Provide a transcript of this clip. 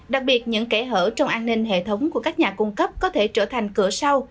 đặc biệt những kẻ hở trong an ninh hệ thống của các nhà cung cấp có thể trở thành cửa sau